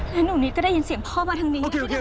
และหนูนิดก็ได้ยินเสียงพ่อมาทั้งนี้